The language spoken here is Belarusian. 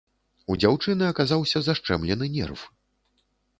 У дзяўчыны аказаўся зашчэмлены нерв.